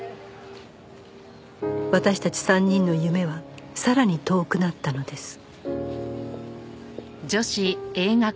私たち３人の夢はさらに遠くなったのです